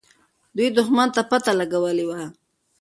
دوی دښمن ته پته لګولې وه.